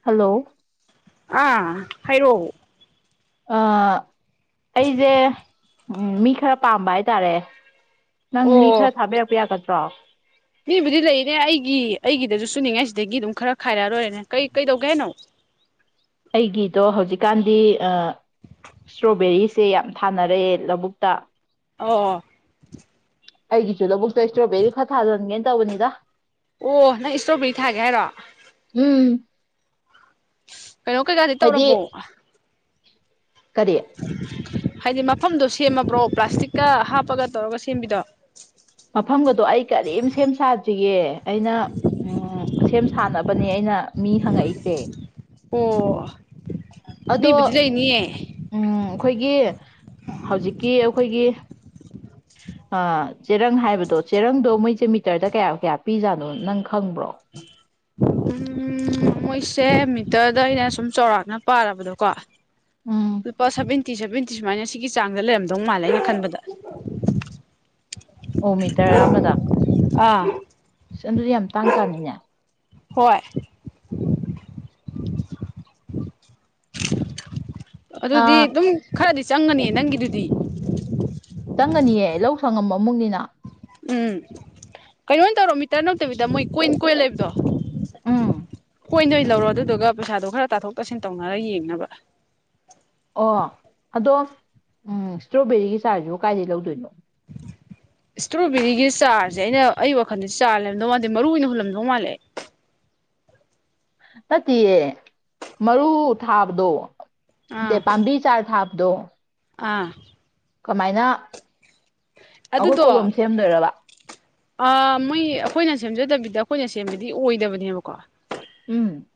Hello. ꯑꯥ ꯍꯥꯏꯔꯛꯑꫭ꯫ ꯑ ꯑꯩꯖꯦ ꯃꯤ ꯈꯔ ꯄꯥꯝꯕ ꯍꯥꯏꯇꯥꯔꯦ꯫ ꯅꯪ ꯃꯤ ꯑꯣ ꯈꯔ ꯊꯥꯕꯤꯔꯛꯄ ꯌꯥꯒꯗ꯭ꯔꯣ꯫ ꯃꯤꯕꯨꯗꯤ ꯂꯩꯅꯦ ꯑꯩꯒꯤ ꯑꯩꯒꯤꯗꯁꯨ ꯁꯨꯅꯤꯡꯉꯥꯏ ꯁꯤꯗꯒꯤ ꯑꯗꯨꯝ ꯈꯔ ꯈꯥꯏꯔꯛꯑꯂꫭꯏꯔꯦꯅꯦ ꯀꯩ ꯀꯩꯗꯧꯒꯦ ꯍꯥꯏꯅꯣ꯫ ꯑꯩꯒꯤꯗꯣ ꯍꯧꯖꯤꯛꯀꯥꯟꯗꯤ꯫ ꯏꯁꯇ꯭ꯔꯣꯕꯦꯔꯤꯁꯦ ꯌꯥꯝ ꯊꯥꯅꯔꯛꯑꯦ ꯂꯧꯕꯨꯛꯇ꯫ ꯑꯣ꯫ ꯑꯩꯒꯤꯁꯨ ꯂꯧꯕꯨꯛꯇ ꯏꯁꯇ꯭ꯔꯣꯕꯦꯔꯤ ꯈꯔ ꯊꯥꯖꯤꯍꯟꯒꯦꯅ ꯇꯧꯕꯅꯤꯗ꯫ ꯑꯣ ꯅꯪ ꯏꯁꯇ꯭ꯔꯣꯕꯦꯔꯤ ꯊꯥꯒꯦ ꯍꯥꯏꯔꯣ꯫ ꯎꯝ꯫ ꯀꯩꯅꯣ ꯀꯩꯀꯥꯗꯤ ꯍꯥꯏꯗꯤ ꯇꯧꯔꯕꯣ꯫ ꯀꯔꯤ ꯍꯥꯏꯗꯤ ꯃꯐꯝꯗꯣ ꯁꯦꯝꯃꯕ꯭ꯔꯣ ꯄ꯭ꯂꯥꯁꯇꯤꯛꯀ ꯍꯥꯞꯄꯒ ꯇꯧꯔꯒ ꯁꯦꯝꯕꯤꯗꯣ꯫ ꯃꯐꯝꯒꯗꯣ ꯑꯩ ꯀꯔꯤꯝ ꯁꯦꯝ ꯁꯥꯗ꯭ꯔꯤꯌꯦ ꯑꯩꯅ ꯎꯝ ꯁꯦꯝ ꯁꯥꯥꯟꯅꯕꯅꯦ ꯑꯩꯅ ꯃꯤ ꯍꯪꯉꯛꯏ ꯁꯦ ꯑꯗꯣ꯫ ꯑꯦ ꯎꯝ ꯑꯩꯈꯣꯏꯒꯤ ꯍꯧꯖꯤꯛꯀꯤ ꯑꯩꯈꯣꯏꯒꯤ ꯆꯦꯔꯪ ꯍꯥꯏꯕꯗꯣ ꯆꯦꯔꯪꯗꯣ ꯃꯣꯏꯁꯦ ꯃꯤꯇꯔꯗ ꯀꯌꯥ ꯀꯌꯥ ꯄꯤꯖꯥꯠꯅꯣ ꯅꯪ ꯈꯪꯕ꯭ꯔꯣ ꯎꯝ ꯃꯣꯏꯁꯦ ꯃꯤꯇꯔꯗ ꯑꯩꯅ ꯁꯨꯝ ꯆꯥꯎꯔꯥꯛꯅ ꯄꯥꯔꯕꯗꯣꯀꯣ ꯎꯝ ꯂꯨꯄꯥ ꯁꯚꯦꯟꯇꯤ ꯁꯚꯦꯟꯇꯤ ꯁꯨꯃꯥꯏꯅ ꯁꯤꯒꯤ ꯆꯥꯡꯗ ꯂꯩꯔꯝꯗꯧ ꯃꯥꯜꯂꯦ ꯑꯩꯅ ꯈꯟꯕꯗ ꯑꯣ ꯃꯤꯇꯔ ꯑꯃꯗ ꯑꯥ ꯑꯗꯨꯗꯤ ꯌꯥꯝ ꯇꯥꯡ ꯀꯥꯅꯤꯅꯦ ꯍꯣꯏ ꯑꯗꯨꯗꯤ ꯑꯥ ꯑꯗꯨꯝ ꯈꯔꯗꯤ ꯆꯪꯒꯅꯤ ꯅꯪꯒꯤꯗꯨꯗꯤ ꯆꯪꯉꯅꯤꯌꯦ ꯂꯧ ꯁꯪꯉꯝꯕ ꯑꯃꯨꯛꯅꯤꯅ꯫ ꯎꯝ ꯀꯩꯅꯣ ꯇꯧꯔꯣ ꯃꯤꯇꯔ ꯅꯗꯕꯤꯗ ꯃꯣꯏ ꯀꯣꯏꯟ ꯀꯣꯏꯟ ꯂꯩꯕꯗꯣ꯫ ꯎꯝ꯫ ꯀꯣꯏꯟꯗꯣ ꯑꫭꯏꯅ ꯂꯧꯔꯣ ꯑꯗꯨꯗꯨꯒ ꯄꯩꯁꯥꯗꯣ ꯈꯔ ꯇꯥꯊꯣꯛ ꯇꯥꯁꯤꯟ ꯇꯧꯅꯔ ꯌꯦꯡꯅꯕ꯫ ꯑꯣ ꯑꯗꯣ ꯎꯝ ꯏꯁꯇ꯭ꯔꯣꯕꯦꯔꯤꯒꯤ ꯆꯥꯔꯁꯤꯕꯨ ꯀꯥꯏꯗꯒꯤ ꯂꯧꯗꯣꯏꯅꯣ꯫ ꯏꯁꯇ꯭ꯔꯣꯕꯦꯔꯤꯒꯤ ꯆꯥꯔꯁꯦ ꯑꯩꯅ ꯑꯩ ꯋꯥꯈꯟꯗ ꯆꯥꯔ ꯂꯩꯔꯝꯗꯧ ꯃꯟꯗꯦ ꯃꯔꯨ ꯑꯣꯏꯅ ꯍꯨꯜꯂꯝꯗꯧ ꯃꯥꯜꯂꯦ꯫ ꯇꯠꯇꯤꯌꯦ ꯃꯔꯨ ꯊꯥꯕꯗꯣ꯫ ꯗ ꯑꯥ ꯄꯥꯝꯕꯤ ꯆꯥꯔ ꯊꯥꯕꯗꯣ ꯑꯥ ꯀꯃꯥꯏꯅ ꯑꯩꯈꯣꯏ ꯑꯗꯨꯗꯣ ꯀꯣꯂꯣꯝ ꯁꯦꯝꯗꯣꯏꯔꯕ ꯑ ꯃꯣꯏ ꯑꯩꯈꯣꯏꯅ ꯁꯦꯝꯖꯗꯕꯤꯗ ꯑꯩꯈꯣꯏꯅ ꯁꯦꯝꯕꯗꯤ ꯑꯣꯏꯗꯕꯅꯦꯕꯀꯣ ꯎꯝ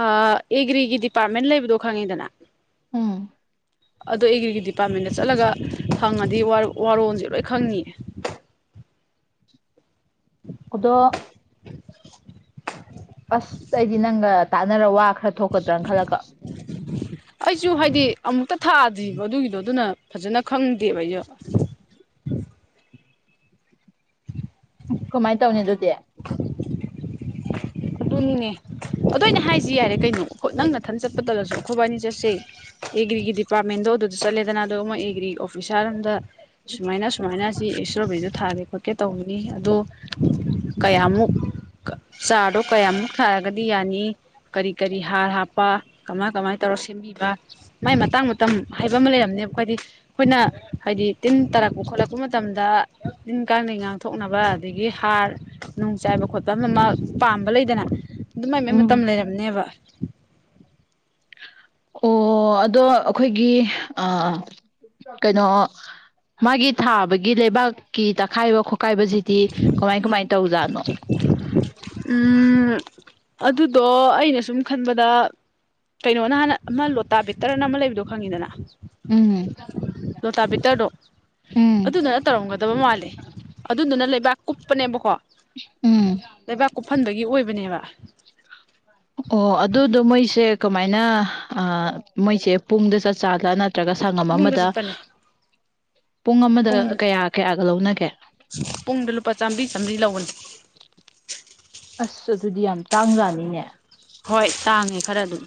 ꯑꯥ ꯑꯦꯒ꯭ꯔꯤꯒꯤ ꯗꯤꯄꯥꯔꯠꯃꯦꯟ ꯂꯩꯕꯗꯣ ꯈꯪꯉꯤꯗꯅ ꯑꯗꯣ ꯑꯦꯒ꯭ꯔꯤꯒꯤ ꯗꯤꯄꯥꯔꯠꯃꯦꯟꯗ ꯆꯠꯂꯒ ꯈꯪꯉꯅꯤ ꯗꯤ ꯋꯥꯔꯣꯜꯁꯦ ꯂꯣꯏ ꯈꯪꯉꯅꯤꯌꯦ ꯑꯗꯣ ꯑꯁ ꯑꯩꯗꯤ ꯅꯪꯒ ꯇꯥꯟꯅꯔ ꯋꯥ ꯈꯔ ꯊꯣꯛꯀꯗ꯭ꯔꯅ ꯈꯜꯂꯒ ꯑꯩꯁꯨ ꯍꯥꯏꯗꯤ ꯑꯃꯨꯛꯇ ꯊꯥꯗ꯭ꯔꯤꯕ ꯑꯗꯨꯒꯤꯗꯣ ꯑꯗꯨꯅ ꯐꯖꯅ ꯈꯪꯗꯦꯕ ꯑꯩꯁꯨ ꯀꯃꯥꯏꯅ ꯇꯧꯅꯤ ꯑꯗꯨꯗꯤ [unintelligible] ꯑꯗꯨꯅꯤꯅꯦ ꯑꯗꯨ ꯑꯩꯅ ꯍꯥꯏꯁꯤ ꯌꯥꯔꯦ ꯀꯩꯅꯣ ꯑꯩꯈꯣꯏ ꯅꯪ ꯃꯊꯟ ꯆꯠꯄꯗꯔꯁꯨ ꯑꯩꯈꯣꯏꯕꯥꯏꯅꯤ ꯆꯠꯁꯦ ꯑꯦꯒ꯭ꯔꯤꯒꯤ ꯗꯤꯄꯥꯔꯠꯃꯦꯟꯗꯣ ꯑꯗꯨꯗ ꯆꯠꯂꯦꯗꯅ ꯑꯗꯣ ꯃꫭꯏ ꯑꯦꯒ꯭ꯔꯤ ꯑꯣꯐꯤꯁꯥꯔ ꯑꯝꯗ ꯁꯨꯃꯥꯏꯅ ꯁꯨꯥꯏꯅ ꯁꯤ ꯏꯁꯇꯔꫭꯕ‌ꯦꯔꯤ ꯊꯥꯒꯦ ꯈꯣꯠꯀꯦ ꯇꯧꯕꯅꯤ ꯑꯗꯣ ꯀꯌꯥꯃꯨꯛ ꯆꯥꯔꯗꯣ ꯀꯌꯥꯃꯨꯛ ꯁꯥꯔꯒꯗꯤ ꯌꯥꯅꯤ ꯀꯔꯤ ꯀꯔꯤ ꯍꯥꯔ ꯍꯥꯞꯄ ꯀꯃꯥꯏ ꯀꯃꯥꯏ ꯇꯧꯔ ꯁꯦꯝꯕꯤꯕ ꯃꯥꯏ ꯃꯇꯥꯡ ꯃꯇꯝ ꯍꯥꯏꯕ ꯑꯃ ꯂꯩꯔꯝꯅꯦꯕ ꯑꯩꯈꯣꯏꯗꯤ ꯑꯩꯈꯣꯏꯅ ꯍꯥꯏꯗꯤ ꯇꯤꯟ ꯇꯥꯔꯛꯄ ꯈꯣꯠꯂꯛꯄ ꯃꯇꯝꯗ ꯇꯤꯟ ꯀꯥꯡꯗꯩ ꯉꯥꯛ ꯊꯣꯛꯅꯕ ꯑꯗꯒꯤ ꯍꯥꯔ ꯅꯨꯡ ꯆꯥꯏꯕ ꯈꯣꯠꯄ ꯑꯃ ꯃꯥ ꯄꯥꯝꯕ ꯂꯩꯗꯅ ꯑꯗꯨꯃꯥꯏ ꯃꯥꯏ ꯎꯝ ꯃꯇꯝ ꯂꯩꯔꯝꯅꯦꯕ ꯑꯣ ꯑꯗꯣ ꯑꯩꯈꯣꯏꯒꯤ ꯑ ꯀꯩꯅꯣ ꯃꯥꯒꯤ ꯊꯥꯕꯒꯤ ꯂꯩꯕꯥꯛꯀꯤ ꯇꯛꯈꯥꯏꯕ ꯈ ꯀꯥꯏꯕꯁꯤꯗꯤ ꯀꯃꯥꯏ ꯀꯃꯥꯏꯅ ꯇꯧꯖꯥꯠꯅꯣ ꯎꯝ ꯑꯗꯨꯗꯣ ꯑꯩꯅ ꯁꯨꯝ ꯈꯟꯕꯗ ꯀꯩꯅꯣꯅ ꯍꯥꯟꯅ ꯑꯃ ꯂꯣꯇꯥ ꯕꯦꯇꯔꯅ ꯑꯃ ꯂꯩꯕꯗꯣ ꯈꯪꯉꯤꯗꯅ ꯎꯝ ꯂꯣꯇꯥꯕꯤꯇꯔꯗꯣ ꯎꯝ ꯑꯗꯨꯗꯨꯅ ꯇꯧꯔꯝꯒꯗꯕ ꯃꯥꯜꯂꯦ ꯑꯗꯨꯗꯨꯅ ꯂꯩꯕꯥꯛ ꯀꯨꯞ ꯀꯞꯄꯅꯦꯕꯀꯣ ꯎꯝ ꯂꯩꯕꯥꯛ ꯀꯨꯞꯐꯟꯕꯒꯤ ꯑꯣꯏꯕꯅꯦꯕ [unintelligible] ꯑꯣ ꯑꯗꯨꯗꯣ ꯃꯣꯏꯁꯦ ꯀꯃꯥꯏꯅ ꯑꯥ ꯃꯣꯏꯁꯦ ꯄꯨꯡꯗ ꯆꯠ ꯆꯠꯁꯂꯥ ꯅꯠꯇ꯭ꯔꯒ ꯁꯪꯉꯝ ꯄꯨꯡꯗ ꯑꯃꯗ ꯆꯠꯄꯅꯦ ꯄꯨꯡ ꯑꯃꯗ ꯄꯨꯡꯗ ꯀꯌꯥ ꯀꯌꯥꯒ ꯂꯧꯅꯒꯦ ꯄꯨꯡꯗ ꯂꯨꯄꯥ ꯆꯥꯝꯃꯔꯤ ꯆꯥꯝꯃꯔꯤ ꯂꯧꯕꯅꯤ ꯑꯁ ꯑꯗꯨꯗꯤ ꯌꯥꯝ ꯇꯥꯡꯖꯥꯅꯤꯅꯦ ꯍꯣꯏ ꯇꯥꯡꯉꯦ ꯈꯔ ꯑꯗꯨꯝ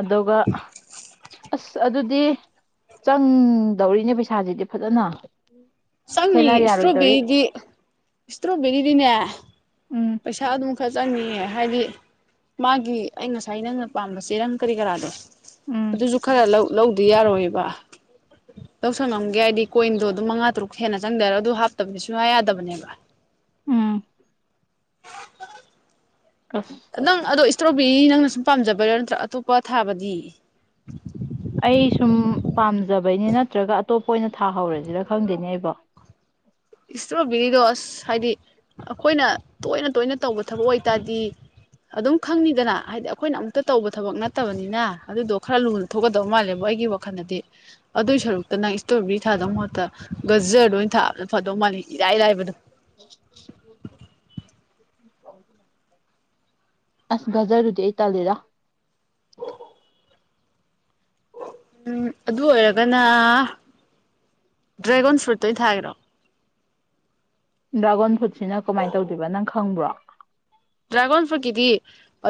ꯑꯗꯨꯒ ꯑꯁ ꯑꯗꯨꯗꯤ ꯆꯪꯗꯧꯔꯤꯅꯦ ꯄꯩꯁꯥꯁꯤꯗꯤ ꯐꯖꯅ ꯆꯪꯅꯤ ꯍꯦꯜꯂꯥ ꯌꯥꯔꯣꯏꯗꯧꯔꯤ ꯏꯁꯇ꯭ꯔꯣꯕꯦꯔꯤꯗꯤ ꯏꯁꯇ꯭ꯔꯣꯕꯦꯔꯤꯗꯤꯅꯦ ꯎꯝ ꯄꯩꯁꯥ ꯑꯗꯨꯝ ꯈꯔ ꯆꯪꯅꯤꯌꯦ ꯍꯥꯏꯗꯤ ꯃꯥꯒꯤ ꯑꯩ ꯉꯁꯥꯏ ꯅꯪꯅ ꯄꯥꯝꯕ ꯆꯦꯔꯪ ꯀꯔꯤ ꯀꯔꯥꯗꯣ ꯎꯝ ꯑꯗꯨꯁꯨ ꯈꯔ ꯂꯧ ꯂꯧꯗ ꯌꯥꯔꯣꯏꯕ ꯂꯧꯁꯪꯉꯝꯒꯦ ꯍꯥꯏꯗꯤ ꯀꯣꯏꯟꯗꯣ ꯑꯗꯨꯝ ꯃꯉꯥ ꯇꯔꯨꯛ ꯍꯦꯟꯅ ꯆꯪꯗꯔ ꯑꯗꯨ ꯍꯥꯞꯇꯕꯗꯤ ꯁꯨꯡꯌꯥ ꯌꯥꯗꯕꯅꯦꯕ ꯎꯝ ꯑꯁ ꯅꯪ ꯑꯗꯣ ꯏꯁꯇ꯭ꯔꯣꯕꯦꯔꯤ ꯅꯪꯅ ꯁꯨꯝ ꯄꯥꯝꯖꯕꯩꯔꯥ ꯅꯠꯇ꯭ꯔꯥ ꯑꯇꯣꯞꯄ ꯊꯥꯕꯗꯤ ꯑꯩ ꯁꯨꯝ ꯄꯥꯝꯖꯕꯩꯅꯤ ꯅꯠꯇ꯭ꯔꯒ ꯑꯇꯣꯞꯄ ꯑꯣꯏꯅ ꯊꯥ ꯍꯧꯔꯁꯤꯔ ꯈꯪꯗꯦꯅꯦ ꯑꯩꯕꯣ ꯏꯁꯇ꯭ꯔꯣꯕꯦꯔꯤꯗꯣ ꯑꯁ ꯍꯥꯏꯗꯤ ꯑꯩꯈꯣꯏꯅ ꯇꯣꯏꯅ ꯇꯣꯏꯅ ꯇꯧꯕ ꯊꯕꯛ ꯑꯣꯏꯇꯥꯗꯤ ꯑꯗꯨꯝ ꯈꯪꯅꯤꯗꯅ ꯍꯥꯏꯗꯤ ꯑꯩꯈꯣꯏꯅ ꯑꯃꯨꯛꯇ ꯇꯧꯕ ꯊꯕꯛ ꯅꯠꯇꯕꯅꯤꯅ ꯑꯗꯨꯗꯣ ꯈꯔ ꯂꯨꯅ ꯊꯣꯛꯀꯗꯕ ꯃꯥꯜꯂꯦꯕꯣ ꯑꯩꯒꯤ ꯋꯥꯈꯜꯗꯗꯤ ꯑꯗꯨꯏ ꯁꯔꯨꯛꯇ ꯅꯪ ꯏꯁꯇ꯭ꯔꯣꯕꯦꯔꯤ ꯊꯥꯗꯧ ꯃꯍꯨꯠꯇ ꯒꯖꯔꯗ ꯑꯣꯏꯅ ꯊꯥꯕꯗ ꯐꯗꯧ ꯃꯥꯜꯂꯦ ꯏꯔꯥꯏ ꯂꯥꯏꯕꯗꯣ [inaudible] ꯑꯁ ꯒꯖꯔꯗꯨꯗꯤ ꯑꯩ ꯇꯜꯂꯤꯗ ꯑꯗꯨ ꯑꯣꯏꯔꯒꯅ ꯗ꯭ꯔꯥꯒꯣꯟ ꯐ꯭ꯔꯨꯠꯇꯣ ꯊꯥꯒꯦꯔꯣ ꯗ꯭ꯔꯥꯒꯣꯟ ꯐ꯭ꯔꯨꯠꯁꯤꯅ ꯀꯃꯥꯏꯅ ꯇꯧꯗꯣꯏꯕ ꯅꯪ ꯈꯪꯕ꯭ꯔꯣ ꯗ꯭ꯔꯥꯒꯣꯟ ꯐ꯭ꯔꯨꯠꯀꯤꯗꯤ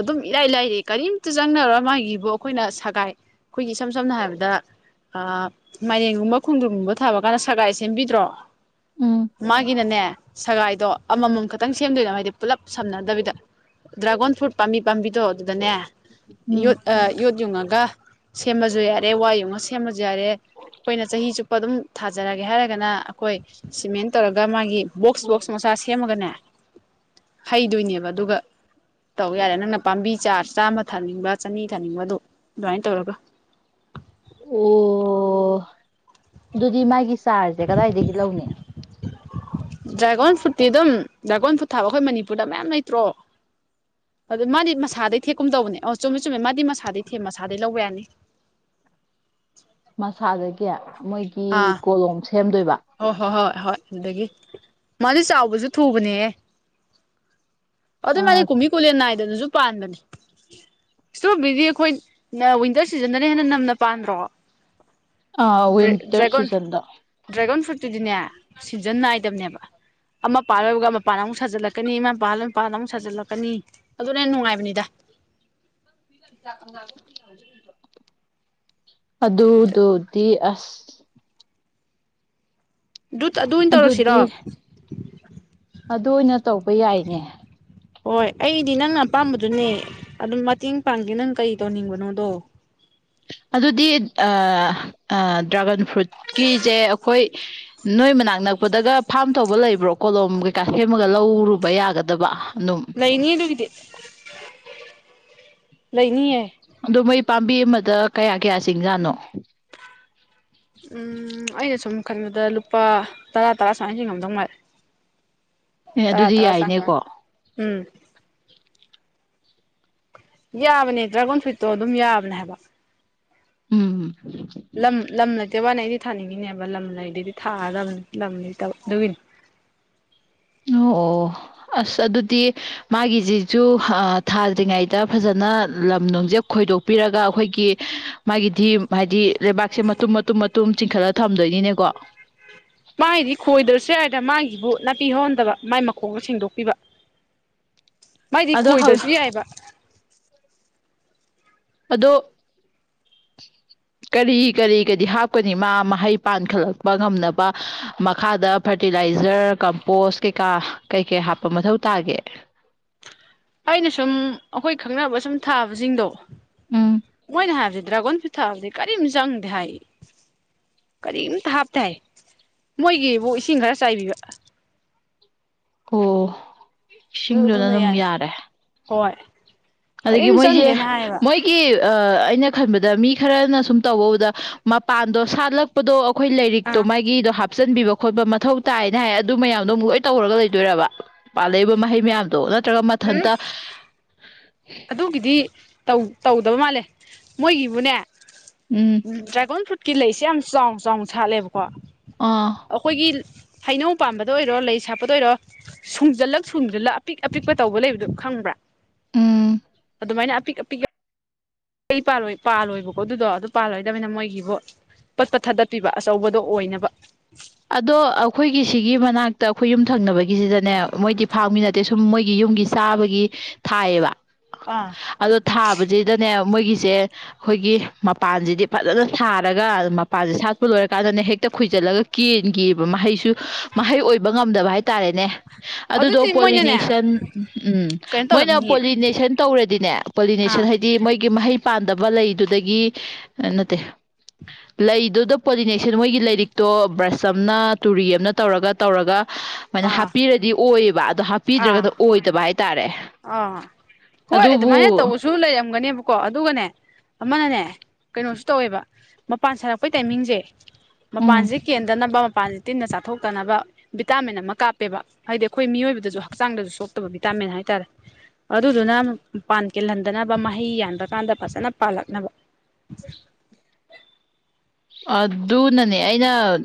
ꯑꯗꯨꯝ ꯏꯔꯥꯏ ꯂꯥꯏꯔꯤ ꯀꯔꯤꯝꯇ ꯆꯪꯅꯔꯣ ꯃꯥꯒꯤꯕꯨ ꯑꯩꯈꯣꯏꯅ ꯁꯒꯥꯏ ꯑꯩꯈꯣꯏꯒꯤ ꯏꯁꯝ ꯁꯝꯅ ꯍꯥꯏꯔꯕꯗ ꯑ ꯃꯥꯏꯔꯦꯟꯒꯨꯝꯕ ꯈꯣꯡꯗ꯭ꯔꯨꯒꯨꯝꯕ ꯊꯥꯕ ꯀꯥꯟꯗ ꯁꯒꯥꯏ ꯁꯦꯝꯕꯤꯗ꯭ꯔꯣ ꯎꯝ ꯃꯥꯒꯤꯅꯅꯦ ꯁꯒꯥꯏꯗꯣ ꯑꯃꯃꯝ ꯈꯛꯇꯪ ꯁꯦꯝꯗꯣꯏꯅꯣ ꯍꯥꯏꯗꯤ ꯄꯨꯂꯞ ꯁꯝꯅꯗꯕꯤꯗ ꯗ꯭ꯔꯥꯒꯣꯟ ꯐ꯭ꯔꯨꯠ ꯄꯥꯝꯕꯤ ꯄꯥꯝꯕꯤꯗꯣ ꯑꯗꯨꯗꯅꯦ ꯎꯝ ꯌꯣꯠ ꯌꯣꯠ ꯌꯨꯡꯉꯒ ꯁꯦꯝꯃꯁꯨ ꯌꯥꯔꯦ ꯋꯥ ꯌꯨꯡꯉ ꯁꯦꯝꯃꯁꯨ ꯌꯥꯔꯦ ꯑꯩꯈꯣꯏꯅ ꯆꯍꯤ ꯆꯨꯞꯄ ꯑꯗꯨꯝ ꯊꯥꯖꯔꯒꯦ ꯍꯥꯏꯔꯒꯅ ꯑꯩꯈꯣꯏ ꯁꯤꯃꯦꯟ ꯇꯧꯔꯒ ꯃꯥꯒꯤ ꯕꯣꯛꯁ ꯕꯣꯛꯁ ꯃꯆꯥ ꯁꯦꯝꯃꯒꯅꯦ ꯍꯩꯗꯣꯏꯅꯦꯕ ꯑꯗꯨꯒ ꯇꯧ ꯌꯥꯔꯦ ꯅꯪꯅ ꯄꯥꯝꯕꯤ ꯆꯥꯔ ꯆꯥꯝꯃ ꯊꯥꯅꯤꯡꯕ ꯆꯅꯤ ꯊꯥꯅꯤꯡꯕꯗꯨ ꯑꯗꯨꯃꯥꯏꯅ ꯇꯧꯔꯒ ꯑꯣ ꯑꯗꯨꯗꯤ ꯃꯥꯒꯤ ꯆꯥꯔꯁꯦ ꯀꯗꯥꯏꯗꯒꯤ ꯂꯧꯅꯤ ꯗ꯭ꯔꯥꯒꯣꯟ ꯐ꯭ꯔꯨꯠꯇꯤ ꯑꯗꯨꯝ ꯗ꯭ꯔꯥꯒꯣꯟ ꯐ꯭ꯔꯨꯠ ꯊꯥꯕ ꯑꯩꯈꯣꯏ ꯃꯅꯤꯄꯨꯔꯗ ꯃꯌꯥꯝ ꯂꯩꯇ꯭ꯔꯣ ꯑꯗꯨ ꯃꯥꯗꯤ ꯃꯁꯥꯗꯩ ꯊꯦꯛꯀꯨꯝꯗꯧꯕꯅꯦ ꯑꯣ ꯆꯨꯝꯃꯦ ꯆꯨꯝꯃꯦ ꯃꯥꯗꯤ ꯃꯁꯥꯗꯩ ꯊꯦꯛ ꯃꯁꯥꯗꯩ ꯂꯧꯕ ꯌꯥꯅꯤ ꯃꯁꯥꯗꯒꯤ ꯃꯣꯏꯒꯤ ꯀꯣꯂꯣꯝ ꯁꯦꯝꯗꯣꯏꯕ ꯑꯣ ꯍꯣ ꯍꯣ ꯍꯣꯏ ꯑꯗꯒꯤ ꯃꯥꯗꯤ ꯆꯥꯎꯕꯁꯨ ꯊꯨꯕꯅꯦꯍ ꯑ ꯑꯗꯨꯗꯩ ꯃꯥꯗꯤ ꯀꯨꯝꯕꯤ ꯀꯨꯂꯦꯟ ꯅꯥꯏꯗꯅꯁꯨ ꯄꯥꯟꯕꯅꯦ ꯏꯁꯇꯣꯕꯦꯕꯤꯗꯤ ꯑꯩꯈꯣꯏ ꯋꯤꯟꯇꯔ ꯁꯤꯖꯟꯗꯅ ꯍꯦꯟꯅ ꯅꯝꯅ ꯄꯥꯟꯗ꯭ꯔꯣ ꯑ ꯋꯤꯟꯇꯔ ꯗ꯭ꯔꯥꯒꯣꯟ ꯁꯤꯖꯟꯗ ꯗ꯭ꯔꯥꯒꯣꯟ ꯐ꯭ꯔꯨꯠꯇꯨꯗꯤꯅꯦ ꯁꯤꯖꯟ ꯅꯥꯏꯗꯕꯅꯦꯕ ꯑꯃ ꯄꯥꯜꯂꯒ ꯃꯄꯥꯅ ꯑꯃꯨꯛ ꯁꯥꯖꯤꯜꯂꯛꯀꯅꯤ ꯑꯃ ꯄꯥꯜꯂꯒ ꯃꯄꯥꯅ ꯑꯃꯨꯛ ꯁꯥꯖꯤꯜꯂꯛꯀꯅꯤ ꯑꯗꯨꯅ ꯍꯦꯟꯅ ꯅꯨꯡꯉꯥꯏꯕꯅꯤꯗ ꯑꯗꯨꯗꯨꯗꯤ ꯑꯁ ꯑꯗꯨꯇ ꯑꯖꯨ ꯑꯣꯏꯅ ꯇꯧꯔꯁꯤꯔꯣ ꯑꯗꯨꯗꯤ ꯑꯗꯨ ꯑꯣꯏꯅ ꯇꯧꯕ ꯌꯥꯏꯅꯦ ꯍꯣꯏ ꯑꯩꯗꯤ ꯅꯪꯅ ꯑꯄꯥꯝꯕꯗꯨꯅꯦ ꯑꯗꯨꯝ ꯃꯇꯦꯡ ꯄꯥꯡꯒꯦ ꯅꯪ ꯀꯩ ꯇꯧꯅꯤꯡꯕꯅꯣꯗꯣ ꯑꯗꯨꯗꯤ ꯑ ꯑ ꯗ꯭ꯔꯥꯒꯟ ꯐ꯭ꯔꯨꯠꯀꯤꯁꯦ ꯑꯩꯈꯣꯏ ꯅꯣꯏ ꯃꯅꯥꯛ ꯅꯛꯄꯗꯒ ꯐꯥꯔꯝ ꯇꯧꯕ ꯂꯩꯕ꯭ꯔꯣ ꯀꯣꯂꯣꯝ ꯀꯩꯀꯥ ꯁꯦꯝꯃꯒ ꯂꯧꯔꯨꯕ ꯌꯥꯒꯗꯕ ꯑꯗꯨꯝ ꯂꯩꯅꯤꯌꯦ ꯑꯗꯨꯒꯤꯗꯤ ꯂꯩꯅꯤꯌꯦ ꯑꯣ ꯃꯩ ꯄꯥꯝꯕꯤ ꯑꯃꯗ ꯀꯌꯥ ꯀꯌꯥ ꯆꯤꯡꯖꯥꯅꯣ ꯝ ꯑꯩꯅ ꯁꯨꯝ ꯈꯟꯕꯗ ꯂꯨꯄꯥ ꯇꯔꯥ ꯇꯔꯥ ꯁꯨꯃꯥꯏꯅꯁꯨ ꯉꯝꯗꯧ ꯃꯉꯥꯏꯔꯦ ꯑꯦ ꯇꯔꯥ ꯑꯗꯨꯗꯤ ꯇꯔꯥ ꯁꯥꯏꯌꯦ ꯌꯥꯏꯅꯦꯀꯣ ꯎꯝ ꯌꯥꯕꯅꯦ ꯗ꯭ꯔꯥꯒꯣꯟ ꯐ꯭ꯔꯨꯏꯠꯇꯣ ꯑꯗꯨꯝ ꯌꯥꯕꯅꯦ ꯍꯥꯏꯕ ꯎꯝ ꯂꯝ ꯂꯝ ꯂꯩꯇꯦ ꯋꯥꯅ ꯑꯩꯗꯤ ꯊꯥꯅꯤꯡꯉꯤꯅꯦꯕ ꯂꯝ ꯂꯩꯗꯗꯤ ꯊꯥꯔꯗꯕꯅꯤ ꯂꯝ ꯂꯩꯇꯕ ꯑꯗꯨꯒꯤꯅꯤ ꯅꯣ ꯑꯣ ꯑꯣ ꯑꯁ ꯑꯗꯨꯗꯤ ꯃꯥꯒꯤꯁꯤꯁꯨ ꯑ ꯊꯥꯗ꯭ꯔꯤꯉꯩꯗ ꯐꯖꯅ ꯂꯝ ꯅꯨꯡꯁꯦ ꯈꯣꯏꯗꯣꯛꯄꯤꯔꯒ ꯑꯩꯈꯣꯏꯒꯤ ꯃꯥꯒꯤꯗꯤ ꯍꯥꯏꯗꯤ ꯂꯩꯕꯥꯛꯁꯦ ꯃꯇꯨꯝ ꯃꯇꯨꯝ ꯃꯇꯨꯝ ꯇꯨꯝ ꯆꯤꯡꯈꯠꯂ ꯊꯝꯗꯣꯏꯅꯤꯅꯦꯀꯣ ꯃꯥꯏꯗꯤ ꯈꯣꯏꯗ꯭ꯔꯁꯨ ꯌꯥ ꯍꯥꯏꯗ ꯃꯥꯒꯤꯕꯨ ꯅꯥꯄꯤ ꯍꯧꯍꯟꯗꯕ ꯃꯥꯏ ꯃꯈꯣꯡꯗ ꯁꯦꯡꯗꯣꯛꯄꯤꯕ ꯃꯥꯏꯗꯤ ꯑꯗꯣ ꯍꯧ- ꯈꯣꯏꯗ꯭ꯔꯁꯨ ꯌꯥꯏꯕ ꯑꯗꯣ ꯀꯔꯤ ꯀꯔꯤ ꯒꯗꯤ ꯍꯥꯞꯀꯅꯤ ꯃꯥ ꯃꯍꯩ ꯄꯥꯟꯈꯠꯂꯛꯄ ꯉꯝꯅꯕ ꯃꯈꯥꯗ ꯐꯔꯇꯤꯂꯥꯏꯖꯔ ꯀꯝꯄꯣꯁ ꯀꯩꯀꯥ ꯀꯩ ꯀꯩ ꯍꯥꯞꯄ ꯃꯊꯧ ꯇꯥꯒꯦ ꯑꯩꯅ ꯁꯨꯝ ꯑꯩꯈꯣꯏ ꯈꯪꯅꯕ ꯁꯨꯝ ꯊꯥꯕꯁꯤꯡꯗꯣ ꯎꯝ ꯃꯣꯏꯅ ꯍꯥꯏꯕꯁꯦ ꯗ꯭ꯔꯥꯒꯣꯟ ꯐ ꯊꯥꯕꯗꯤ ꯀꯔꯤꯝ ꯆꯪꯗꯦ ꯍꯥꯏ ꯀꯔꯤꯝꯇ ꯍꯥꯞꯇꯥꯏ ꯃꯣꯏꯒꯤꯕꯨ ꯏꯁꯤꯡ ꯈꯔ ꯆꯥꯏꯕꯤꯕ ꯑꯣ ꯑꯗꯨ ꯏꯁꯤꯡꯗꯨꯅ ꯑꯗꯨꯅ ꯑꯗꯨꯝ ꯌꯥꯔ ꯌꯥꯔꯦ ꯍꯣꯏ ꯑꯗꯒꯤ ꯀꯔꯤꯝ ꯃꯣꯏꯁꯦ ꯆꯪꯗꯦꯅ ꯍꯥꯏꯌꯦꯕ ꯃꯣꯏꯒꯤ ꯑꯩꯅ ꯈꯟꯕꯗ ꯃꯤ ꯈꯔꯅ ꯁꯨꯝ ꯇꯧꯕꯧꯕꯗ ꯃꯄꯥꯟꯗꯣ ꯁꯥꯠꯂꯞ ꯗꯣ ꯑꯩꯈꯣꯏ ꯂꯔꯤꯛꯇꯣ ꯑꯥ ꯃꯥꯒꯤꯗꯣ ꯍꯥꯞ ꯍꯥꯞꯆꯤꯟꯕꯤꯕ ꯈꯣꯠꯄ ꯃꯊꯧ ꯇꯥꯏꯅ ꯍꯥꯏ ꯑꯗꯨ ꯃꯌꯥꯝꯗꯣ ꯑꯃꯨꯛ ꯂꯣꯏ ꯇꯧꯔꯒ ꯂꯩꯗꯣꯏꯔꯕ ꯄꯥꯜꯂꯛꯏꯕ ꯃꯍꯩ ꯃꯌꯥꯝꯗꯣ ꯅꯠꯇ꯭ꯔꯒ ꯎꯝ ꯃꯊꯟꯇ ꯑꯗꯨꯒꯤꯗꯤ ꯇꯧꯗꯕ ꯃꯥꯜꯂꯦ ꯃꯣꯏꯒꯤꯕꯨꯅꯦ ꯎꯝ ꯎꯝ ꯗ꯭ꯔꯦꯒꯣꯟ ꯐ꯭ꯔꯨꯠꯀꯤ ꯂꯩꯁꯦ ꯌꯥꯝ ꯆꯥꯎ ꯆꯥꯎꯅ ꯁꯥꯠꯂꯦꯕꯀꯣ ꯎꯝ ꯑꯩꯈꯣꯏꯒꯤ ꯍꯩꯅꯧ ꯄꯥꯟꯕꯝꯕꯗ ꯑꯣꯏꯔꯣ ꯂꯩ ꯁꯥꯄꯗ ꯑꯣꯏꯔꯣ ꯁꯨꯡꯖꯜꯂꯛ ꯁꯨꯡꯖꯤꯜꯂꯛ ꯑꯄꯤꯛ ꯑꯄꯤꯛꯄ ꯇꯧꯕ ꯂꯩꯕꯗꯨꯣ ꯈꯪꯕ꯭ꯔꯥ ꯎꯝ ꯑꯗꯨꯃꯥꯏꯅ ꯑꯄꯤꯛ ꯑꯄꯤꯛ ꯑꯩ ꯄꯥꯜꯂꯣꯏ ꯄꯥꯜꯂꯣꯏꯕꯀꯣ ꯑꯗꯨꯗꯣ ꯑꯗꯨ ꯄꯥꯜꯂꯔꯣꯏꯗꯕꯅꯤꯅ ꯃꯣꯏꯒꯤꯕꯨ ꯄꯠꯄ ꯊꯥꯗꯠꯄꯤꯕ ꯑꯆꯧꯕꯗꯣ ꯑꯣꯏꯅꯕ ꯑꯗꯣ ꯑꯩꯈꯣꯏꯒꯤ ꯁꯤꯒꯤ ꯃꯅꯥꯛꯇ ꯑꯩꯈꯣꯏ ꯌꯨꯝ ꯊꯪꯅꯕꯒꯤꯁꯤꯗꯅꯦ ꯃꯣꯏꯗꯤ ꯐꯥꯝꯃꯤ ꯅꯠꯇꯦ ꯁꯨꯝ ꯃꯣꯏꯒꯤ ꯌꯨꯝꯒꯤ ꯆꯥꯕꯒꯤ ꯊꯥꯏꯌꯦꯕ ꯑꯥ ꯑꯗꯣ ꯊꯥꯕꯁꯤꯗꯅꯦ ꯃꯣꯏꯒꯤꯁꯦ ꯑꯩꯈꯣꯏꯒꯤ ꯃꯄꯥꯟꯁꯤꯗꯤ ꯐꯖꯅ ꯁꯥꯔꯒ ꯃꯄꯥꯟꯁꯤꯦ ꯁꯥꯠꯄ ꯂꯣꯏꯔꯀꯥꯟꯗꯅꯦ ꯍꯦꯛꯇ ꯈꯣꯏꯖꯤꯜꯂꯒ ꯀꯦꯟꯒꯤꯕ ꯃꯍꯩꯁꯨ ꯃꯍꯩ ꯑꯣꯏꯕ ꯉꯝꯗꯕ ꯍꯥꯏꯇꯥꯔꯦꯅꯦ ꯑꯗꯨꯗꯣ ꯑꯗꯨꯗꯤ ꯃꯣꯏꯅꯅꯦ ꯄꯣꯂꯤꯅꯦꯁꯟ ꯎꯝ ꯀꯩꯅꯣ ꯃꯣꯏꯅ ꯇꯧꯔꯝꯅꯤꯌꯦ ꯄꯣꯂꯤꯅꯦꯁꯟ ꯇꯧꯔꯗꯤꯅꯦ ꯄꯣꯂꯤꯅꯦꯁꯟ ꯑꯥ ꯍꯥꯏꯗꯤ ꯗꯤ ꯃꯣꯏꯒꯤ ꯃꯍꯩ ꯄꯥꯟꯗꯕ ꯂꯩꯗꯨꯗꯒꯤ ꯅꯠꯇꯦ ꯂꯩꯗꯨꯗ ꯄꯣꯂꯤꯅꯦꯦꯛꯁꯦ ꯃꯣꯏꯒꯤ ꯂꯥꯏꯔꯤꯛꯇꯣ ꯕ꯭ꯔꯁ ꯑꯃꯅ ꯇꯨꯔꯤ ꯑꯃꯅ ꯇꯧꯔꯒ ꯇꯧꯔꯒ ꯁꯨꯃꯥꯏꯅ ꯑꯥ ꯍꯥꯞꯄꯤꯔꯗꯤ ꯑꯣꯏꯌꯦꯕ ꯑꯗꯣ ꯑꯥ ꯄꯤꯗ꯭ꯔꯒꯅ ꯑꯣꯏꯗꯕ ꯍꯥꯏꯇꯥꯔꯦ ꯑꯥ ꯍꯣꯏ ꯑꯗꯨꯃꯥꯏꯅ ꯑꯗꯨꯕꯨ ꯇꯧꯕꯁꯨ ꯂꯩꯔꯝꯒꯅꯦꯕꯀꯣ ꯑꯗꯨꯒꯅꯦ ꯑꯃꯅꯅꯦ ꯀꯩꯅꯣꯁꯨ ꯇꯧꯋꯦꯕ ꯃꯄꯥꯟ ꯁꯥꯔꯛꯄꯩ ꯇꯥꯏꯃꯤꯡꯁꯦ ꯎꯝ ꯃꯄꯥꯟꯁꯦ ꯀꯦꯟꯗꯅꯕ ꯃꯄꯥꯟꯁꯦ ꯇꯤꯟꯅ ꯆꯥꯊꯣꯛꯇꯅꯕ ꯚꯤꯇꯥꯃꯤꯟ ꯑꯃ ꯀꯥꯞꯄꯦꯕ ꯍꯥꯏꯗꯤ ꯑꯩꯈꯣꯏ ꯃꯤꯑꯣꯏꯕꯗꯁꯨ ꯍꯛꯆꯥꯡꯗꯁꯨ ꯁꯣꯛꯇꯕ ꯚꯤꯇꯥꯃꯤꯟ ꯍꯥꯏꯇꯥꯔꯦ ꯑꯗꯨꯗꯨꯅ ꯃꯄꯥꯟ ꯀꯦꯜꯍꯟꯗꯅꯕ ꯃꯍꯩ ꯌꯥꯟꯕ ꯀꯥꯟꯗ ꯐꯖꯅ ꯄꯥꯜꯂꯛꯅꯕ [inaudible] ꯑꯗꯨꯅꯅꯦ ꯑꯩꯅ ꯎ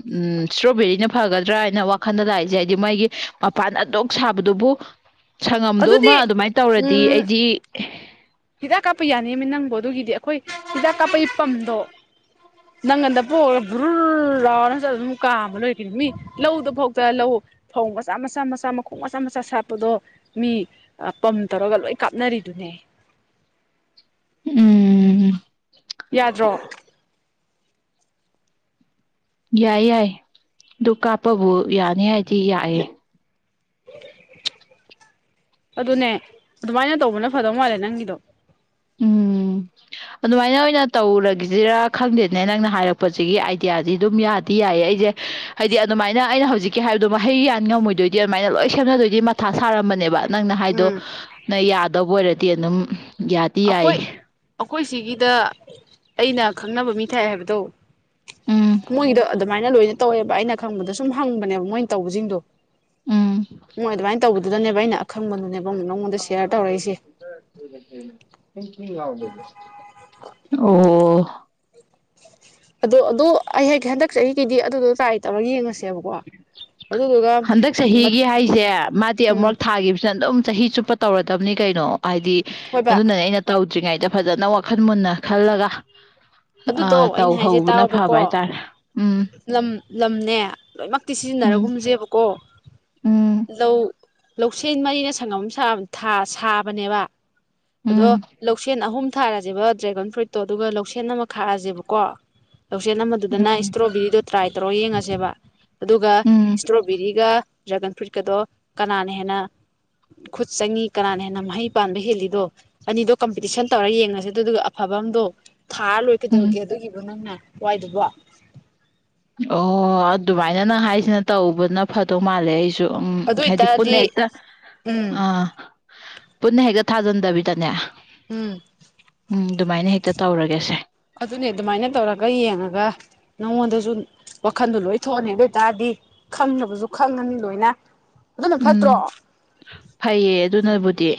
ꯏꯁꯇ꯭ꯔꯣꯕꯦꯔꯤꯅ ꯐꯒꯗ꯭ꯔꯥ ꯍꯥꯏꯅ ꯈꯟꯅꯗ ꯍꯥꯏꯁꯦ ꯍꯥꯏꯗꯤ ꯃꯥꯒꯤ ꯃꯄꯥꯟ ꯑꯗꯨꯣꯛ ꯁꯥꯕꯗꯨꯕꯨ ꯁꯪꯉꯝꯗꯣꯃ ꯑꯗꯨꯗꯤ ꯑꯗꯨꯃꯥꯏꯅ ꯇꯧꯔꯗꯤ ꯎꯝ ꯑꯩꯗꯤ ꯍꯤꯗꯥꯛ ꯀꯥꯞꯄ ꯌꯥꯅꯤꯃꯤ ꯅꯪꯕꯣ ꯑꯗꯨꯒꯤꯗꯤ ꯑꯩꯈꯣꯏ ꯍꯤꯗꯥꯛ ꯀꯥꯞꯄꯒꯤ ꯄꯝꯗꯣ ꯅꯪꯒꯟꯗ ꯄꯣꯛꯒ ꯕꯨ꯭ꯔꯨꯜ ꯔꯥꯎꯔ ꯆꯠꯂ ꯑꯗꯨꯝ ꯀꯥꯝꯕ ꯂꯣꯏꯔꯛꯈꯤꯅꯤ ꯃꯤ ꯂꯧꯗꯣ ꯐꯧꯇ ꯂꯧ ꯐꯧ ꯃꯆꯥ ꯃꯆꯥ ꯃꯆꯥ ꯃꯈꯣꯡ ꯃꯆꯥ ꯃꯆꯥ ꯁꯥꯠꯄꯗꯣ ꯃꯤ ꯄꯝ ꯇꯧꯔꯒ ꯂꯣꯏ ꯀꯥꯞꯅꯔꯤꯗꯨꯅꯦ ꯎꯝ ꯎꯝꯝ ꯌꯥꯗ꯭ꯔꯣ ꯌꯥꯏ ꯌꯥꯏ ꯑꯗꯨ ꯀꯥꯞꯄꯕꯨ ꯌꯥꯅꯤ ꯍꯥꯏꯗꯤ ꯌꯥꯑꯦ ꯑꯗꯨꯅꯦ ꯑꯗꯨꯃꯥꯏꯅ ꯇꯧꯕꯅ ꯐꯗꯧ ꯃꯥꯜꯂꯦ ꯅꯪꯒꯤꯗꯣ ꯎꯝ ꯑꯗꯨꯃꯥꯏꯅ ꯑꯣꯏꯅ ꯇꯧꯔꯒꯤꯁꯤꯔꯥ ꯈꯪꯗꯦꯅꯦ ꯅꯪꯅ ꯍꯥꯏꯔꯛꯄꯁꯤꯒꯤ ꯑꯥꯏꯗꯤꯌꯥꯁꯤ ꯑꯗꯨꯝ ꯌꯥꯗꯤ ꯌꯥꯏꯌꯦ ꯑꯩꯁꯦ ꯍꯥꯏꯗꯤ ꯑꯗꯨꯃꯥꯏꯅ ꯑꯩꯅ ꯍꯧꯖꯤꯛꯀꯤ ꯍꯥꯏꯕꯗꯣ ꯃꯍꯩ ꯌꯥꯟ ꯉꯝꯃꯣꯏꯗꯣꯏꯗꯤ ꯑꯗꯨꯃꯥꯏꯅ ꯂꯣꯏ ꯁꯦꯝꯅꯗꯣꯏꯗꯤ ꯃꯊꯥ ꯁꯥꯔꯝꯕꯅꯦꯕ ꯅꯪꯅ ꯍꯥꯏꯗꯣ ꯎꯝ ꯅꯪ ꯌꯥꯗꯕ ꯑꯣꯏꯔꯗꯤ ꯑꯗꯨꯝ ꯌꯥꯏ ꯑꯩꯈꯣꯏ ꯑꯩꯈꯣꯏ ꯁꯤꯒꯤꯗ ꯑꯩꯅ ꯈꯪꯅꯕ ꯃꯤ ꯊꯥꯏ ꯍꯥꯏꯕꯗꯧ ꯎꯝ ꯃꯣꯏꯒꯤꯗꯣ ꯑꯗꯨꯃꯥꯏꯅ ꯂꯣꯏꯅ ꯇꯧꯋꯦꯕ ꯑꯩꯅ ꯈꯪꯕꯗ ꯁꯨꯝ ꯍꯪꯕꯅꯦꯕ ꯃꯣꯏꯅ ꯇꯧꯕꯁꯤꯡꯗꯣ ꯎꯝ ꯍꯣꯏ ꯑꯗꯨꯃꯥꯏꯅ ꯇꯧꯕꯗꯨꯗꯅꯦꯕ ꯑꯩꯅ ꯑꯈꯪꯕꯗꯨꯅꯦꯕ ꯑꯃꯨꯛ ꯅꯉꯣꯟꯗ ꯁꯦꯌꯔ ꯇꯧꯔꯛꯏꯁꯦ ꯑꯣ ꯑꯗꯣ ꯑꯗꯨ ꯑꯩ ꯍꯦꯛ ꯍꯟꯗꯛ ꯆꯍꯤꯒꯤꯗꯤ ꯑꯗꯨꯗꯣ ꯆꯥꯥꯏꯇꯕ ꯌꯦꯡꯉꯁꯤ ꯍꯟꯗꯛ ꯆꯍꯤꯒꯤ ꯍꯥꯏꯁꯦ ꯃꯥꯗꯤ ꯎꯝ ꯑꯃꯨꯛ ꯊꯥꯈꯤꯕꯁꯤꯅ ꯑꯗꯨꯝ ꯆꯍꯤ ꯆꯨꯞ ꯇꯧꯔꯗꯕꯅꯤ ꯀꯩꯅꯣ ꯍꯥꯏꯗꯤ ꯍꯣꯏꯕ ꯑꯗꯨꯅꯅꯦ ꯑꯩꯅ ꯇꯧꯗ꯭ꯔꯤꯉꯩꯗ ꯐꯖꯅ ꯋꯥꯈꯜ ꯃꯨꯟꯅ ꯈꯜꯂꯒ ꯑ ꯑꯗꯨꯗꯣ ꯇꯧ ꯑꯩꯅ ꯍꯥꯏꯁꯦ ꯍꯧꯕꯅ ꯐꯕ ꯇꯥꯎꯕꯀꯣ ꯍꯥꯏꯇꯥꯔꯦ ꯎꯝ ꯂꯝ ꯂꯝꯅꯦ ꯂꯣꯏꯃꯛꯇꯤ ꯎꯝ ꯁꯤꯖꯤꯟꯅꯔꯒꯨꯝꯁꯦꯕꯀꯣ ꯎꯝ ꯂꯧ ꯂꯧꯁꯦꯟ ꯃꯔꯤꯅ ꯁꯪꯉ ꯁꯥ ꯁꯥꯕꯅꯦꯕ ꯑꯗꯣ ꯎꯝ ꯂꯧꯁꯦꯟ ꯑꯍꯨꯝ ꯊꯥꯔꯁꯦꯕ ꯗ꯭ꯔꯦꯒꯟ ꯐ꯭ꯔꯨꯏꯠꯇꯣ ꯑꯗꯨꯒ ꯂꯧꯁꯦꯟ ꯑꯃ ꯈꯥꯔꯁꯦꯕꯀꯣ ꯂꯧꯁꯦ ꯑꯃꯗꯨꯗꯅ ꯎꯝ ꯏꯁꯇ꯭ꯔꯣꯕꯦꯔꯤꯗꯣ ꯇ꯭ꯔꯥꯏ ꯇꯧꯔ ꯌꯦꯡꯉꯁꯦꯕ ꯑꯗꯨꯒ ꯎꯝ ꯏꯁꯇ꯭ꯔꯣꯕꯦꯔꯤꯒ ꯗ꯭ꯔꯦꯒꯟ ꯐ꯭ꯔꯨꯏꯠꯀꯗꯣ ꯀꯅꯥꯅ ꯍꯦꯟꯅ ꯈꯨꯠ ꯆꯪꯉꯤ ꯀꯅꯥꯅ ꯍꯦꯟꯅ ꯃꯍꯩ ꯄꯥꯟꯕ ꯍꯦꯜꯂꯤꯗꯣ ꯑꯅꯤꯗꯣ ꯀꯝꯄꯤꯇꯤꯁꯟ ꯇꯧꯔ ꯌꯦꯡꯉꯁꯦ ꯑꯗꯨꯗꯨꯒ ꯑꯐꯕ ꯑꯗꯣ ꯊꯥ ꯂꯣꯏ ꯀꯩꯗꯧꯒꯦ ꯎꯝ ꯑꯗꯨꯒꯤꯕ ꯅꯪꯅ ꯋꯥꯏꯗꯨꯕꯣ ꯑꯣ ꯑꯗꯨꯃꯥꯏꯅ ꯅꯪ ꯍꯥꯏꯁꯤꯅ ꯇꯧꯕꯅ ꯐꯗꯧ ꯃꯥꯜꯂꯦ ꯑꯩꯁꯨ ꯎꯝ ꯑꯗꯨ ꯍꯥꯏꯗꯤ ꯑꯣꯏꯇꯥꯔꯗꯤ ꯄꯨꯟꯅꯛꯇ ꯎꯝ ꯑ ꯄꯨꯟꯅ ꯍꯦꯛꯇ ꯊꯥꯖꯟꯗꯕꯤꯗꯅꯦ ꯎꯝ ꯎꯝ ꯑꯗꯨꯃꯥꯏꯅ ꯍꯦꯛꯇ ꯇꯧꯔꯒꯦꯁꯦ ꯑꯗꯨꯅꯦ ꯑꯗꯨꯃꯥꯏꯅ ꯇꯧꯔꯒ ꯌꯦꯡꯉꯒ ꯅꯪꯉꯣꯟꯗꯁꯨ ꯋꯥꯈꯟꯗꯣ ꯂꯣꯏ ꯊꯣꯛꯑꯅꯤ ꯑꯗꯨ ꯑꯣꯏꯇꯥꯔꯗꯤ ꯈꯪꯅꯕꯁꯨ ꯈꯪꯉꯅꯤ ꯂꯣꯏꯅ ꯑꯗꯨꯅ ꯐꯠꯇ꯭ꯔꯣ ꯎꯝ ꯐꯩꯌꯦ ꯑꯗꯨꯅꯕꯨꯗꯤ